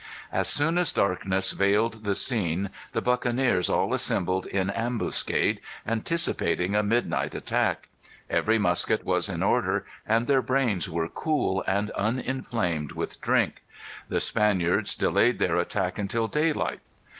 As soon as darkness veiled the scene the buccaneers all assembled in ambuscade, anticipating a midnight attack. Every musket was in order, and their brains were cool and uninflamed with drink. The Spaniards delayed their attack until daylight.